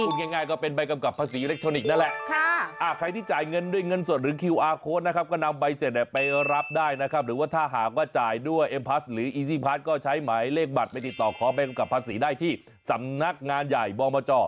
ง่ายก็เป็นใบกำกับภาษีอิเล็กทรอนิกส์นั่นแหละ